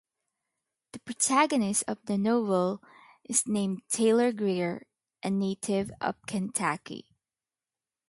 The protagonist of the novel is named Taylor Greer, a native of Kentucky.